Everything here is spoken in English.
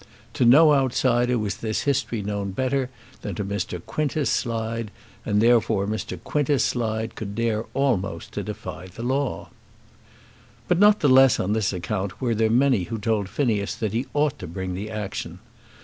To no outsider was this history known better than to Mr. Quintus Slide, and therefore Mr. Quintus Slide could dare almost to defy the law. But not the less on this account were there many who told Phineas that he ought to bring the action.